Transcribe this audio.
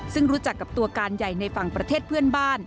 ซึ่งรู้จักกับตัวการใหญ่ในฝั่งประเทศเพื่อนบ้าน